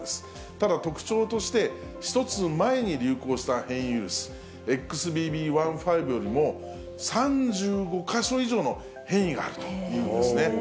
ただ、特徴として１つ前に流行した変異ウイルス、ＸＢＢ．１．５よりも３５か所以上の変異があるというんですね。